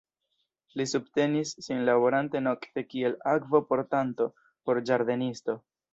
Li subtenis sin laborante nokte kiel akvo-portanto por ĝardenisto.